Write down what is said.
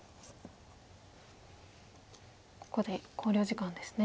ここで考慮時間ですね。